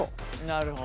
なるほど。